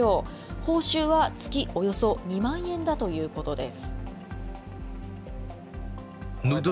報酬は月およそ２万円だということです。